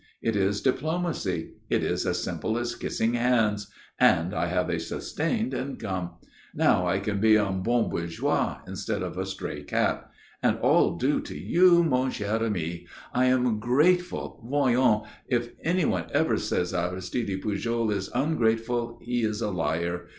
It is diplomacy. It is as simple as kissing hands. And I have a sustained income. Now I can be un bon bourgeois instead of a stray cat. And all due to you, mon cher ami. I am grateful voyons if anybody ever says Aristide Pujol is ungrateful, he is a liar.